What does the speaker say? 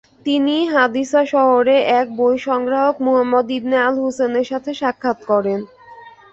তিনি হাদিছা শহরে এক বই সংগ্রাহক মুহাম্মাদ ইবনে আল-হুসেনের সাথে সাক্ষাৎ করেন।